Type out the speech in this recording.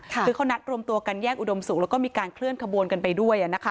คือเขานัดรวมตัวกันแยกอุดมศุกร์แล้วก็มีการเคลื่อนขบวนกันไปด้วย